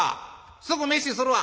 すぐ飯にするわ。